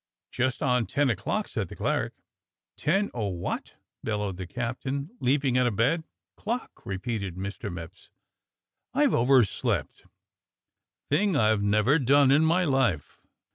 " "Just on ten o'clock," said the cleric. "Ten o' what?" bellowed the captain, leaping out of bed. "Clock," repeated Mr. Mipps. "I've overslept. Thing I've never done in my life.